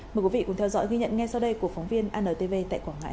mời quý vị cùng theo dõi ghi nhận ngay sau đây của phóng viên antv tại quảng ngãi